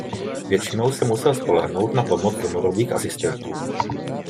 Většinou se musel spolehnout na pomoc domorodých asistentů.